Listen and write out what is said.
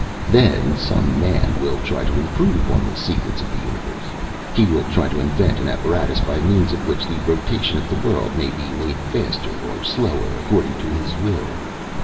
"Then some man will try to improve on the secrets of the universe. He will try to invent an apparatus by means of which the rotation of the world may be made faster or slower, according to his will.